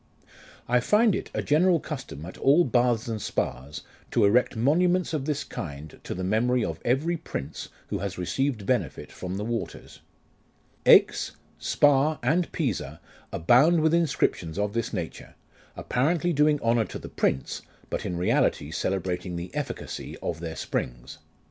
I find it a general custom at all baths and spas, to erect monuments of this kind to the memory of every prince who has received benefit from the waters. Aix, Spa, and Pisa abound with inscriptions of this nature, appa rently doing honour to the prince, but in reality celebrating the efficacy of their springs.